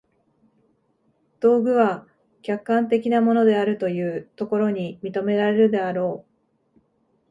道具は客観的なものであるというところに認められるであろう。